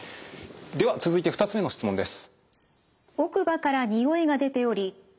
では続いて２つめの質問です。